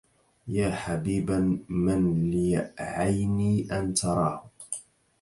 يا حبيبا من لعيني أن تراه